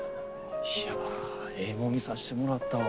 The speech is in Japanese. いやええもん見させてもらったわ。